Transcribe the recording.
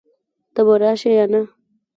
ته به راشې يا نه؟